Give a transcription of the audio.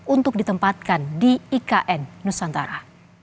untuk ditempatkan di ikn nusantara